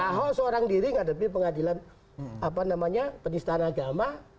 nah kalau seorang diri menghadapi pengadilan penyistana agama